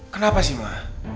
kenapa sih ma